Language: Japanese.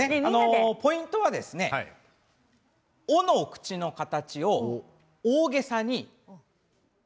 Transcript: ポイントは「オ」の口を大げさに。